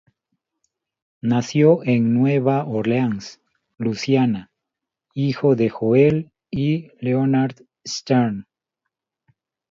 Nació en Nueva Orleans, Luisiana, hijo de Joel y Leonard Stern.